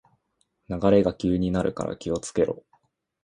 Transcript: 流れが急になるから気をつけろ